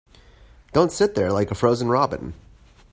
Don't sit there like a frozen robin.